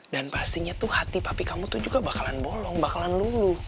dan pastinya tuh hati papi kamu tuh juga bakalan bolong bakalan lulu